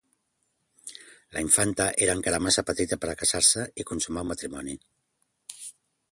La infanta era encara massa petita per a casar-se i consumar el matrimoni.